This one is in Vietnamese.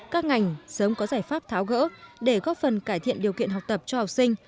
các ngành sớm có giải pháp tháo gỡ để góp phần cải thiện điều kiện học tập cho học sinh